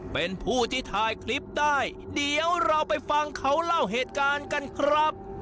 เป็นผู้ที่ถ่ายคลิปได้เดี๋ยวเราไปฟังเขาเล่าเหตุการณ์กันครับ